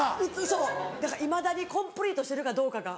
そうだからいまだにコンプリートしてるかどうかが。